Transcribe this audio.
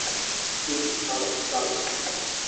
piti, para , para.